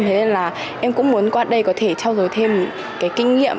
thế nên là em cũng muốn qua đây có thể trao dồi thêm cái kinh nghiệm